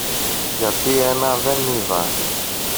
Γιατί ένα δεν είδα